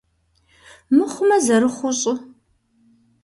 Мыхъумэ зэрыхъуу щӏы.